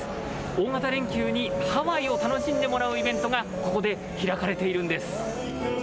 大型連休にハワイを楽しんでもらうイベントがここで開かれているんです。